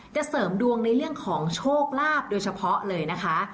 เสริมดวงในเรื่องของโชคลาภโดยเฉพาะเลยนะคะ